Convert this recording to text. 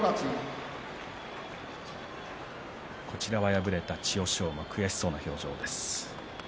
敗れた千代翔馬、悔しそうな表情です。